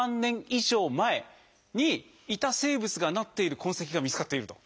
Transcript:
以上前にいた生物がなっている痕跡が見つかっていると。